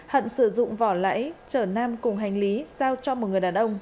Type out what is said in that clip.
hận sử dụng vỏ lẫy chở nam cùng hành lý giao cho một người đàn ông